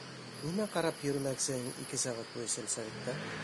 Нимә ҡарап йөрөмәксеһең ике сәғәт буйы сельсоветта?